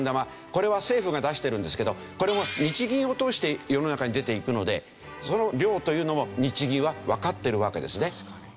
これは政府が出してるんですけどこれも日銀を通して世の中に出ていくのでその量というのも日銀はわかっているわけですね。